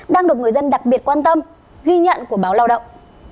đang được người dân đặc biệt quan tâm ghi nhận của báo lao động